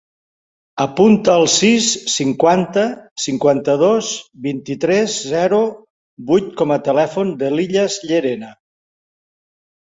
Apunta el sis, cinquanta, cinquanta-dos, vint-i-tres, zero, vuit com a telèfon de l'Ilyas Llerena.